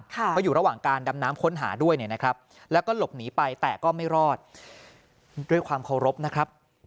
ก็อยู่ระหว่างการดำน้ำค้นหาด้วยเนี่ยนะครับแล้วก็หลบหนีไปแต่ก็ไม่รอดด้วยความเคารพนะครับ